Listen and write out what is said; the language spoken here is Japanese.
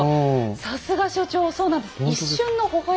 さすが所長そうなんです。